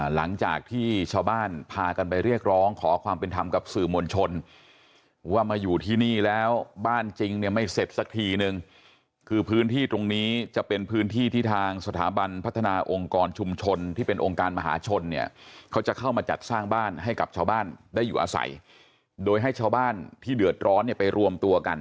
หลังจากที่ชาวบ้านพากันไปเรียกร้องขอความเป็นธรรมกับสื่อมวลชนว่ามาอยู่ที่นี่แล้วบ้านจริงเนี่ยไม่เสร็จสักทีนึงคือพื้นที่ตรงนี้จะเป็นพื้นที่ที่ทางสถาบันพัฒนาองค์กรชุมชนที่เป็นองค์การมหาชนเนี่ยเขาจะเข้ามาจัดสร้างบ้านให้กับชาวบ้านได้อยู่อาศัยโดยให้ชาวบ้านที่เดือดร้อนเนี่ยไปรวมตัวกัน